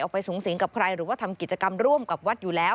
ไปสูงสิงกับใครหรือว่าทำกิจกรรมร่วมกับวัดอยู่แล้ว